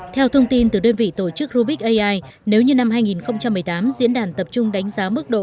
theo thông tin từ đơn vị tổ chức rubik ai nếu như năm hai nghìn một mươi tám diễn đàn tập trung đánh giá mức độ